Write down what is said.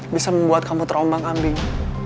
bisa membuat kamu terombang kambing